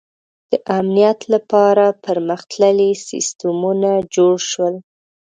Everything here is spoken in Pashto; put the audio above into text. • د امنیت لپاره پرمختللي سیستمونه جوړ شول.